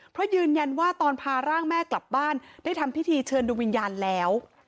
เพราะยืนยันว่าตอนพาร่างแม่กลับบ้านได้ทำพิธีเชิญดูวิญญาณแล้ว